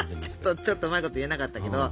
ちょっとうまいこと言えなかったけど